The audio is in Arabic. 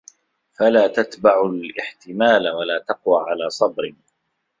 فَلَا تَتْبَعُ الِاحْتِمَالَ وَلَا تَقْوَى عَلَى صَبْرٍ